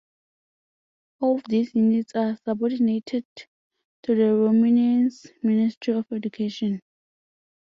All these units are subordinated to the Romanians Ministry of Education.